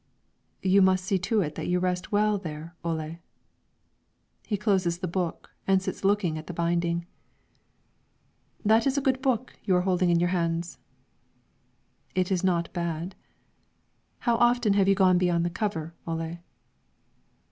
"You must see to it that you rest well there, Ole." He closes the book and sits looking at the binding. "That is a good book you are holding in your hands." "It is not bad. How often have you gone beyond the cover, Ole?"